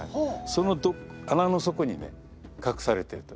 その穴の底にね隠されてると。